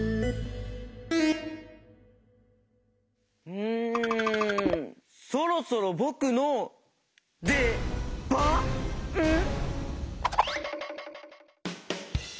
うんそろそろぼくのでばん？